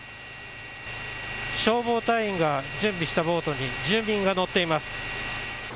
消防隊員が準備したボートに住民が乗っています。